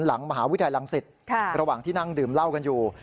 มหาวิทยาลังศิษย์ระหว่างที่นั่งดื่มเหล้ากันอยู่